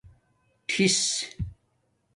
ٹھس